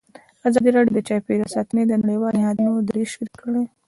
ازادي راډیو د چاپیریال ساتنه د نړیوالو نهادونو دریځ شریک کړی.